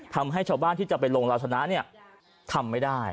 ทำให้ชาวบ้านที่จะไปลงเราชนะเนี่ยทำไม่ได้